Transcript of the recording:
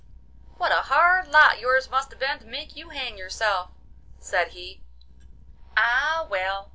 'What a hard lot yours must have been to make you hang yourself!' said he. 'Ah, well!